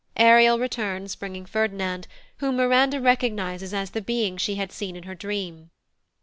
Ariel returns bringing Ferdinand, whom Miranda recognises as the being she had seen in her dream.